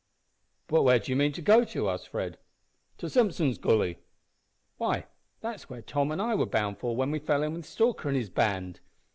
"But where do you mean to go to?" asked Fred. "To Simpson's Gully." "Why, that's where Tom and I were bound for when we fell in with Stalker and his band!